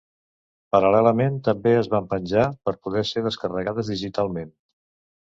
Paral·lelament també es van penjar per poder ser descarregades digitalment.